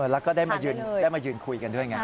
แล้วก็ได้มายืนคุยกันด้วยไง